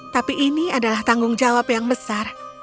tapi ini adalah tanggung jawab yang besar